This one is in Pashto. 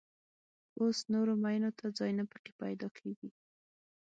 اوس نورو مېنو ته ځای نه په کې پيدا کېږي.